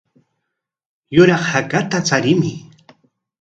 Yuraq hakata charimuy.